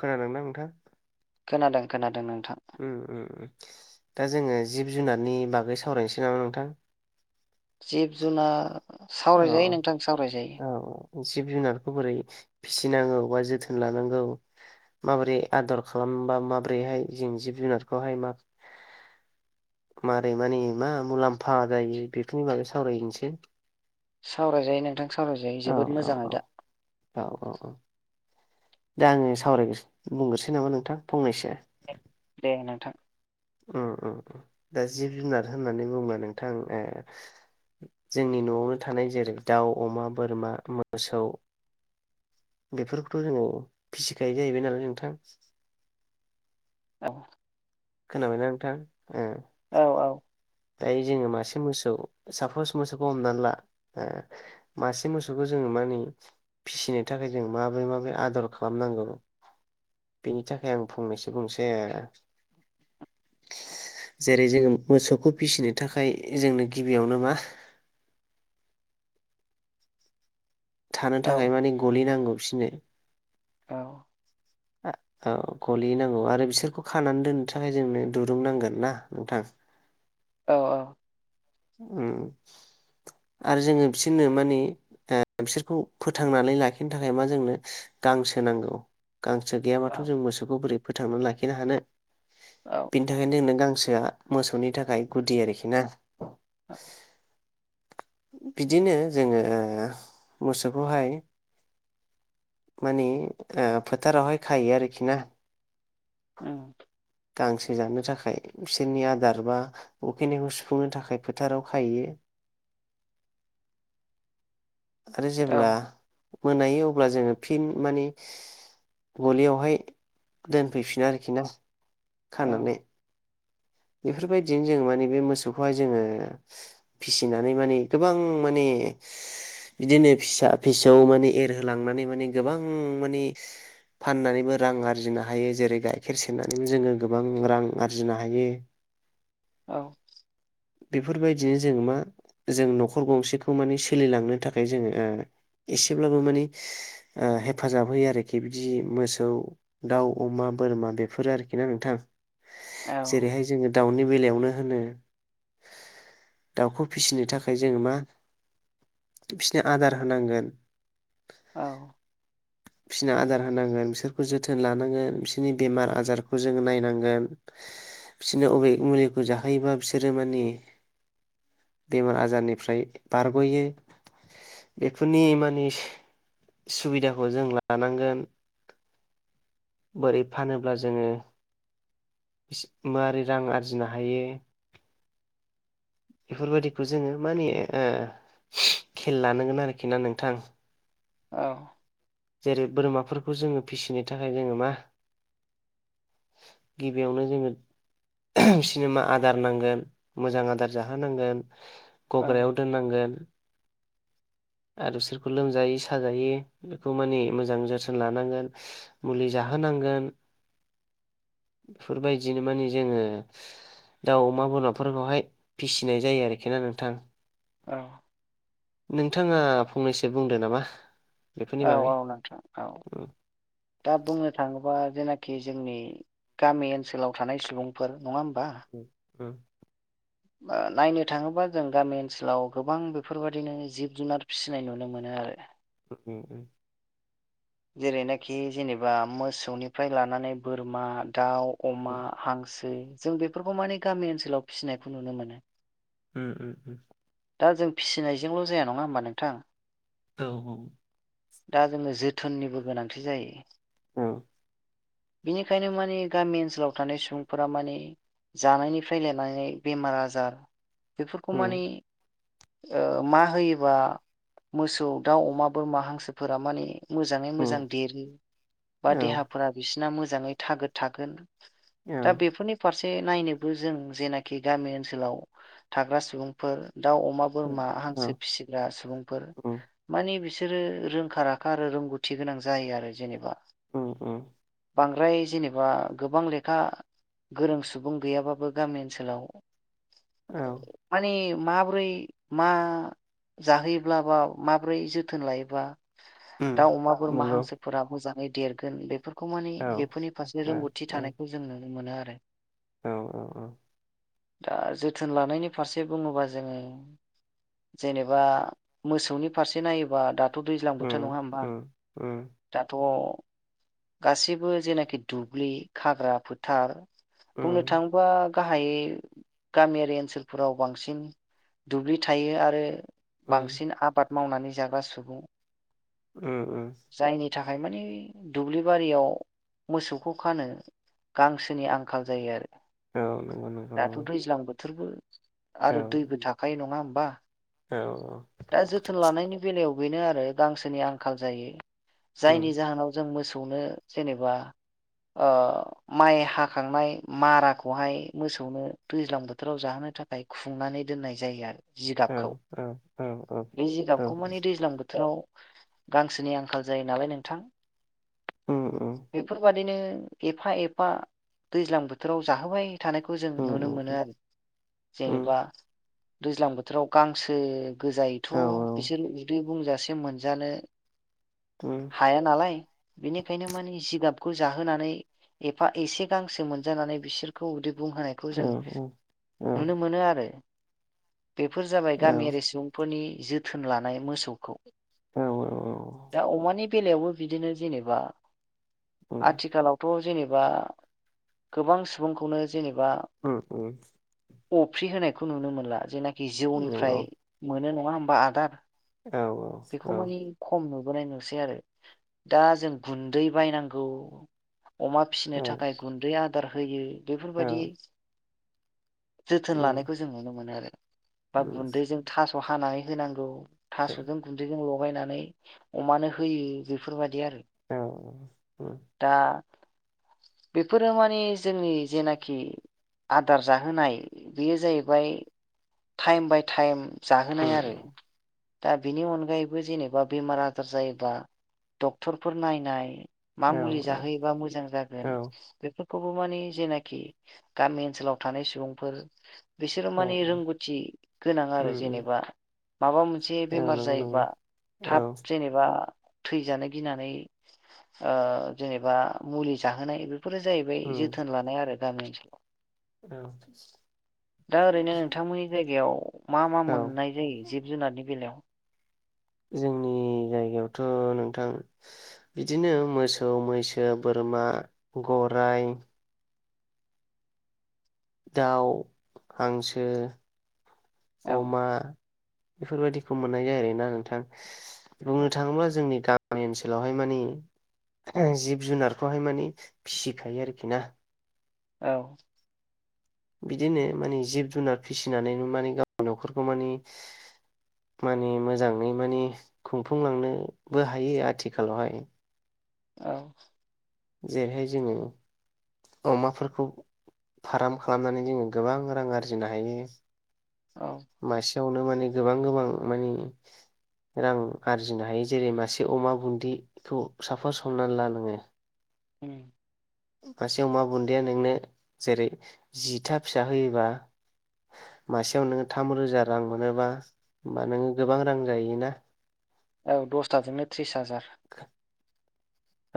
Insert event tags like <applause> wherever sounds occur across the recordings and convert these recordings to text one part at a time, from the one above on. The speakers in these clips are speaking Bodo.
खोनादोंना नोंथां खोनादों खोनादों ओं। ओम ओम ओम दा जोङो जिब जुनारनि बागै सावरायनोसै नामा नोंथां? जिब जुनार औ सावरायजायो नोंथां सावरायजायो। औ जिब जुनारखौ बोरै फिसिनांगौ बा जोथोन लानांगौ माबोरै आदर खालामबा माबोरैहाय जों जिब जुनारखौहाय मा मारै माने मा मुलाम्फा जायो बेफोरनि बागै सावरायनोसै। सावरायजायो नोंथां सावरायजायो औ जोबोद औ मोजाङ‌ औ आयदा। औ औ औ दा आङो सावराय बुंग्रोसै नामा नोंथां फंनैसो दे नोंथां ओम ओम ओम दा जिब जुनार होननानै बुङो नोंथां ए जोंनि न'आवनो थानाय जेरै दाउ अमा बोरमा मोसौ बेफोरखौथ' जोङो फिसिखायो जाहैबाय नालाय नोंथां औ खोनाबायना नोंथां औ औ दायो जोङो मासे मोसौ सापस मोसौखौ हमना ला आ मासे मोसौखौ जोङो माने फिसिनो थाखाय जों माबोरै माबोरै आदर खालामनांगौ बेनि थाखाय आं फंनैसो बुंसै जेरै जोङो मोसौखौ फिसिनो थाखाय जोंनो गिबियावनो मा थानो औ थाखाय माने गलि नांगौ बिसोरनो औ <inaudible> औ गलि नांगौ आरो बिसोरखौ खानानै दोननो थाखाय जोंनो दुरुं नांगोन ना नोंथां <unintelligible> औ औ उ <inaudible> आरो जोङो बिसोरनो माने ओ बिसोरखौ फोथांनानै लाखिनो थाखाय मा जोंनो गांसो नांगौ गांसो गैयाबाथ' औ जों मोसौखौ बोरै फोथांना लाखिनो हानो औ बिनि थाखायनो नों आं गोसोआ मोसौनि थाखाय गुदि आरोखि ना औ बिदिनो जोङो मोसौखौहाय माने ओ फोथारावहाय खायो आरोखि ना उम <inaudible> गांसो जानो थाखाय बिसोरनि आदार बा उखैनायखौ सुफुंनो थाखाय फोथाराव खायो <inaudible> आरो औ जेब्ला मोनायो अब्ला जोङो फिन माने गलियावहाय दोनफैफिनो आरोखि ना औ खानानै बेफोरबायदिनो जोङो माने बे मोसौखौहाय जोङो फिसिनानै माने गोबां माने <unintelligible> बिदिनो फिसा फिसौ माने एरहोलांनानै माने गोबां माने फाननानैबो रां आरजिनो हायो जेरै गाइखेर सेरनानैबो जोङो गोबां रां आरजिनो हायो। औ। बेफोरबायदिनो जों मा जों न'खर गंसेखौ माने सोलिलांनो थाखाय जोङो ओ एसेब्लाबो मानि ओ हेफाजाब होयो आरोखि बिदि मोसौ, दाउ, अमा बोरमा बेफोरो आरोखि ना नोंथां। औ। जेरैहाय जोङो दाउनि बेलायावनो होनो दाउखौ फिसिनो थाखाय जोङो मा बिसोरनो आदार होनांगोन औ। फिसिना आदार होनांगोन, बिसोरखौ जोथोन लानांगोन, बिसोरनि बेमार आजारखौ जोङो नायनांगोन बिसोरनो अबे मुलिखौ जाहोयोबा बिसोरो माने बेमार आजारनिफ्राय बारग'यो बेफोरनि मानि सुबिदाखौ जों लानांगोन बोरै फानोब्ला जोङो मारै रां आरजिनो हायो बेफोरबायदिखौ जोङो माने ओ खेल लानांगोन आरोखि ना नोंथां। औ। जेरै बोरमाफोरखौ जोङो फिसिनो थाखाय जोङो मा गिबियावनो जोङो <unintelligible> बिसिनो मा आदार नांगोन मोजां आदार जाहोनांगोन गग्रायाव औ दोननांगोन आरो बिसोरखौ लोमजायो साजायो खौ माने मोजां जोथोन लानांगोन मुलि जाहोनांगोन बेफोरबायदिनो माने जोङो दाउ अमा बोरमाफोरखौहाय फिसिनाय जायो आरोखि ना नोंथां। औ। नोंथाङा फंनैसो बुंदो नामा? बेफोरनि औ बागै औ नोंथां औ। उम दा बुंनो थाङो बा जेनाखि जोंनि गामि ओनसोलाव थानाय सुबुंफोर नङा होम उम उम। ओ नायनो थाङोबा जों गामि ओनसोलाव गोबां बेफोरबायदिनो जिब जुनार फिसिनाय नुनो मोनो आरो उम उम। जेरैनाखि जेनेबा मोसौनिफ्राय लानानै बोरमा, दाउ, अमा, हांसो जों बेफोरखौ माने गामि ओनसोलाव फिसिनायखौ नुनो मोनो। उम उम उम। दा जों फिसिनायजोंल' जाया नङा होमबा नोंथां। औ औ। दा जोङो जोथोननिबो गोनांथि जायो। औ। बेनिखायनो माने गामि ओनसोलाव थानाय सुबुंफोरा माने जानायनिफ्राय लेनानै बेमार आजार बेफोरखौ उम माने ओ मा होयोबा मोसौ, दाउ, अमा, बोरमा हांसोफोरा माने मोजाङै उम मोजां देरो बा औ देहाफोरा बिसिना मोजाङै थागोद थागोन। दा बेफोरनि फारसे से नायनोबो जों जेनाखि गामि ओनसोलाव थाग्रा सुबुंफोर दाउ, अमा, बोरमा, औ हांसो फिसिग्रा सुबुंफोर उम मानि बिसोरो रोंखा राखा आरो रोंगौथि गोनां जायो आरो जेनेबा। ओम ओ बांद्राय जेनेबा गोबां लेखा गोरों सुबुं गैयाबाबो गामि ओनसोलाव औ मानिब माबोरै मा जाहोयोब्ला बाव माबोरै जोथोन लायोबा उम दाव अमा बोरमा नंगौ हांसोफोरा मोजाङै देरगोन बेफोर खौ माने औ बेफोरनि फारसे औ रोंगौथि औ थानायखौ जों नुनो मोनो आरो औ औ औ दा जोथोन लानायनि फारसे बुङोबा जोङो जेनेबा मोसौनि फारसे नायोबा दाद थ' दैज्लां बोथोर उम नङा होमबा उम उम दाथ' गासैबो जेनाखि दुब्लि खाग्रा फोथार बुंनो उम थाङोबा गाहायै गामियारि ओनसोलफोराव बांसिन दुब्लि थायो आरो उम बांसिन आबाद मावनानै जाग्रा सुबुं ओम ओस हाय माने दुब्लि बारियाव मोसौखौ खानो गांसोनि आंखाल जायो आरो औ नोंगौ नोंगौ नोंगौ थोरबो आरो दैबो थाखायो नङा होमबा औ दा जोथोन लानायनि बेलायाव बेनो आरो गांसोनि आंखाल जायो उम जायनि जाहोनाव जों मोसौनो जेनेबा ओ माइ हाखांनाय माराखौहाय मोसौनो दैज्लां बोथोराव जाहोनो नो थाखाय खुंनानै दोननाय जायो आरो औ जिगाबखौ औ औ औ बे औ जिगाबखौ माने दैज्लां बोथोराव गांसोनि आंखाल जायो नालाय नोंथां ओम ओ फैनो एफा एफा दैज्लां बोथोराव जाहोबाय थानायखौ जों उम नुनो उम मोनो उम आरो उम जेनेबा दैज्लां बोथोराव गांसो गोजायैथ' औ बिसोर उदै बुंजासे मोनजानो उम हाया नालाय बेनिखायनो माने जिगाबखौ जाहोनानै एफा एसे गांसो मोनजानानै बिसोरखौ उदैब बुंहोनायखौ औ जों नुनो मोनो आरो बेफोर जाबाय औ गामियारि सुबुंफोरनि जोथोन लानाय मोसौखौ औ औ दा अमानि बेलायावबो बिदिनो जेनेबा उम आथिखालावथ' जेनेबा गोबां सुबुंखौनोज <unintelligible> अफि होनायखौ नुनो मोनला जेनाखि नंगौ जिउनिफ्राय मोनो नङा होमबा आदार औ बेखौ औ मानि खम नुट बोनाय नुसै आरो दा जों गुन्दै बायनांगौ अमा फिसिनो औ थाखाय गुन्दै आदार होयो बेफोरबायदि उम जोथोन औ लानायखौ जों नुनो मोनो आरो बा उम उम गुन्दैजों थास' हानानै होनांगौ औ उम थास'जों गुन्दैजों लगायनानै अमानो होयो बेफोरबायदि आरो औ-औ दा बेफोरो माने जोंनि जेनाखि आदार जाहोनाय बेयो जाहैबाय टाइम बाय टाइम जाहोनाय आरो दा बिनि अनगायैबो जेनेबा बेमार आजार जायोबा डक्टरफोर नायनाय मा मुलि जाहोयोबा मोजां जागोन बेफोर खौबो माने जेनाखि गामि ओनसोलाव थानाय सुबुंफोर बिसोरो माने रोंगौथि गोनां आरो जेनेबा माबा मोनसे बेमार नंगौ जायोबा थाब औ जेनेबा थैजानो गिनानै ओ जेनेबा मुलि जाहोनाय बेफोरो जाहैबाय जोथोन लानाय आरो गामि ओनसोलाव। औ। दा ओरैनो नोंथांमोननि जायगायाव मा मा औ मोननाय जायो जिब जुनारनि बेलायाव? जोंनि जायगायावथ' नोंथां बिदिनो मोसौ, मैसो, बोरमा, गर राइ दाउ, हांसो, औ अमा बेफोरबायदिखौ मोननाय जायो आरोना नोंथां। बुंनो थाङोब्ला जोंनि गामि गामि ओनसोलावहाय माने ओ जिब जुनारखौहाय माने फिसिखायो आरोखि ना। औ। बिदिनो माने जिब जुनार फिसिनानै माने गावनि न'खरखौ माने माने मोजाङै माने खुंफुंलांनोबो हायो आथिखालावहाय। औ। जेरैहाय जोङो अमाफोरखौ फाराम खालामनानै जोङो गोबां रां आरजिनो हायो। औ मासेयावनो माने गोबां गोबां माने रां आरजिनो हायो जेरै मासे अमा बुन्दिखौ साफस हमनानै ला नोङो ओम। मासे अमा बुन्दिया नोंनो जेरै जिथा फिसा होयोबा मासेयाव नोङो थाम रोजा रां मोनोबा, होमबा नोङो गोबां रां जाहैयोना। औ दसथाजोंनो त्रिस हाजार।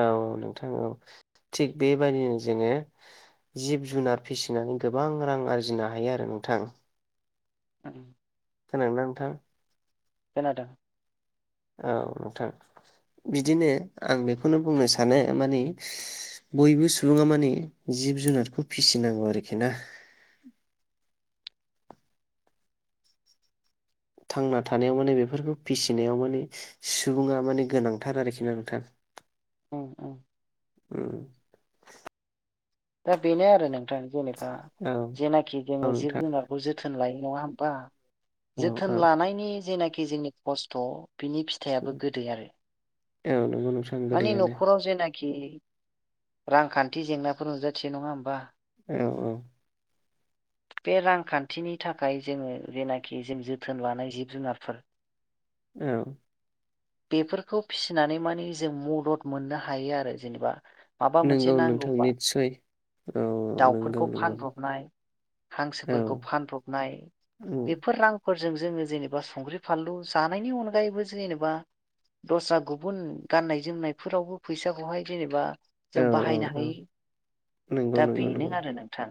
औ नोंथां औ थिग बेबादिनो जोङो जिब जुनार फिसिनानै गोबां रां आरजिनो हायो आरो नोंथां। खोनादोंना नोंथां? खोनादों। औ नोंथां बिदिनो आं बेखौनो बुंनो सानो माने बयबो सुबुङा माने जिब जुनारखौ फिसिनांगौ आरोखि ना। थांना थानायाव माने बेफोरखौ फिसिनायाव माने सुबुङा माने गोनांथार आरोखिना नोंथां। औ औ। ओम। दा बेनो आरो नोंथां जेनेबा औ जेनाखि जोङो जिब नोंथां जुनारखौ जोथोन लायो। नङा होनबा औ जोथोन औ लानायनि जेनाखि जोंनि खस्थ' बिनि औ फिथाइयाबो गोदै आरो नंगौ नोंथां माने गोदैयानो न'खराव जेना खि रांखान्थि जेंनाफोर नुजाथियो नङा होमबा? औ औ। बे रांखान्थिनि थाखाय जोङो जेनाखि जों जोथोन लानाय जिब जुनारफोर औ। बेफोरखौ फिसिनानै माने जों मदद मोननो हायो आरो जेनेबा माबा मोनसे नंगौ नोंथां नांगौबा निस्सय औ नंगौ दाउफोरखौ नंगौ फानब्रबनाय औ हांसोफोरखौ फानब्रबनाय उम बेफोर रांफोर जों जोङो जेनेबा संख्रि फानलु जानायनि अनगायैबो जेनेबा दस्रा गुबुन गाननाय जोमनायफोरावबो फैसाखौहाय जेनेबा औ जों औ बाहायनो औ हायो। नंगौ दा नंगौ बेनो नंगौ आरो नोंथां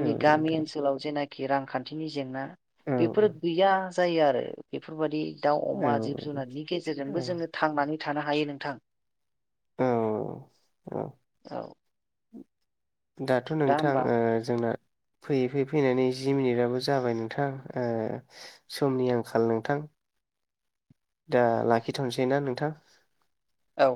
औ गामि नोंथां ओनसोलाव जेने जेनाखि रांखान्थिनि जेंना औ बेफोर गैया जायो आरो। बेफोरबायदि दाउ अमा जिब जुनारनि गेजेरजोंबो औ जोङो थांनानै थानो हायो नोंथां। औ औ औ। दाथ' दा नोंथां होमबा ओ जोंना फैयै फैयै फैनानै जि मिनिटआबो जाबाय नोंथां समनि आंखाल नोंथां दा लाखिथ'सै ना नोंथां औ